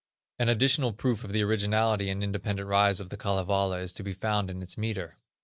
An additional proof of the originality and independent rise of the Kalevala is to be found in its metre.